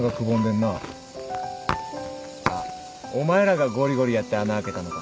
あっお前らがゴリゴリやって穴あけたのか？